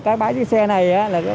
cái bãi dưới xe này